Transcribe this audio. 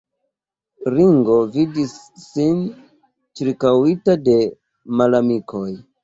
Ringo vidis sin ĉirkaŭita de malamikoj.